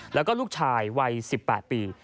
แล้วก็ลูกชายวัย๑๘ปี